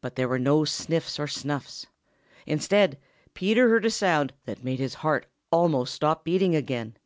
But there were no sniffs or snuffs. Instead, Peter heard a sound that made his heart almost stop beating again.